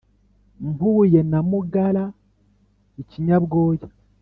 Mpuye na Mugara-Ikinyabwoya.